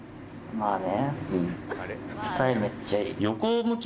まあね。